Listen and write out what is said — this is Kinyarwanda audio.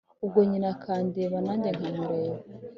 ubwo nyina akandeba najye nka mureba